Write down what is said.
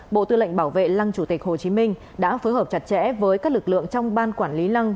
bộ tư lệnh bảo vệ lăng chủ tịch hồ chí minh đã phối hợp chặt chẽ với các lực lượng trong ban quản lý lăng